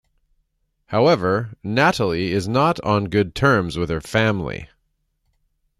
However, Natalie is not on good terms with her family.